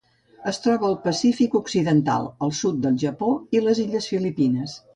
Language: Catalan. Es troba al Pacífic occidental: el sud del Japó i les illes Filipines.